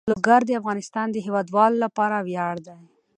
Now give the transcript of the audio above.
لوگر د افغانستان د هیوادوالو لپاره ویاړ دی.